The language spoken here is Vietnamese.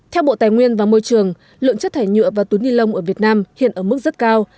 theo bộ tài nguyên và môi trường lượng chất thải nhựa và túi ni lông ở việt nam hiện ở mức rất cao